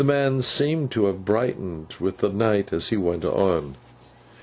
The man seemed to have brightened with the night, as he went on.